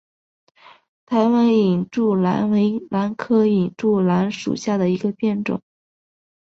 台湾隐柱兰为兰科隐柱兰属下的一个变种。